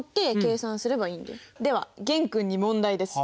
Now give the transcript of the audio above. では玄君に問題です。